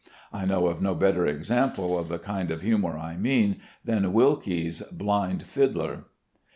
I know of no better example of the kind of humor I mean than Wilkie's "Blind Fiddler."